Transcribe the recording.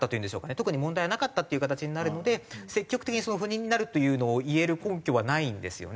特に問題はなかったっていう形になるので積極的に不妊になるというのを言える根拠はないんですよね。